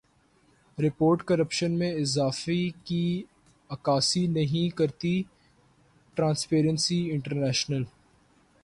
report corruption میں اضافے کی عکاسی نہیں کرتی ٹرانسپیرنسی انٹرنیشنل